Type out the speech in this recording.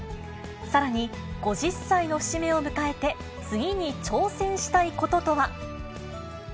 さらに、５０歳の節目を迎えて、次に挑戦したいこととは。